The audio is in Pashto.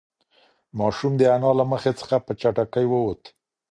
ماشوم د انا له مخې څخه په چټکۍ ووت.